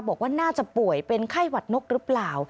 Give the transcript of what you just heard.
บอกว่าน่าจะป่วยเป็นไข้หวัดนกหรือเปล่า